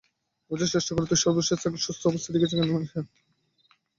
বুঝার চেষ্টা কর, তুইই সর্বশেষ যে তাকে সুস্থ অবস্থায় দেখেছে কোন নেশা?